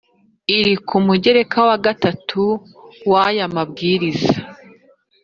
iri ku mugereka wa gatatu w aya mabwiriza